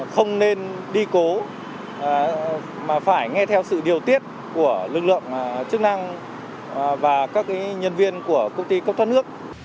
không nên đi cố mà phải nghe theo sự điều tiết của lực lượng chức năng và các nhân viên của công ty cấp thoát nước